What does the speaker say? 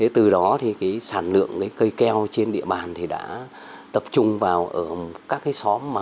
từ đó thì cái sản lượng cây keo trên địa bàn thì đã tập trung vào các cái xóm mà có